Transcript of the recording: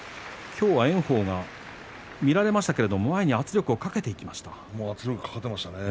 今日は炎鵬が見られましたけど前に圧力をかけていきましたね。